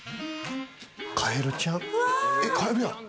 カエルちゃん。